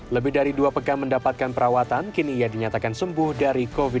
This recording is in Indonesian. lebih dari dua pekan mendapatkan perawatan kini ia dinyatakan sembuh dari covid sembilan belas